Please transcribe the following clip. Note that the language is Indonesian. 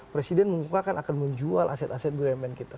presiden mengukakan akan menjual aset aset bumn kita